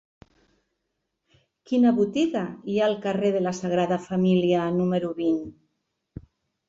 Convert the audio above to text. Quina botiga hi ha al carrer de la Sagrada Família número vint?